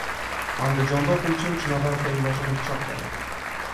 Andijonda o‘quvchi uch nafar tengdoshini pichoqladi